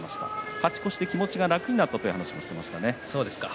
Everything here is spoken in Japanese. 勝ち越し気持ちが楽になったという話もしていました。